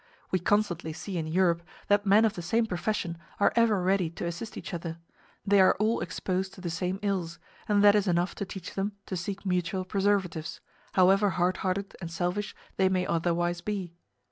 We constantly see in Europe that men of the same profession are ever ready to assist each other; they are all exposed to the same ills, and that is enough to teach them to seek mutual preservatives, however hard hearted and selfish they may otherwise be.